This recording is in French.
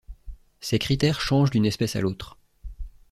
Ces critères changent d'une espèce à une autre.